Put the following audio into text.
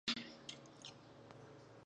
روښانه راتلونکی زموږ په تمه دی.